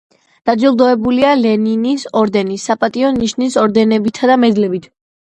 დაჯილდოებულია ლენინის ორდენით, „საპატიო ნიშნის“ ორდენებითა და მედლებით.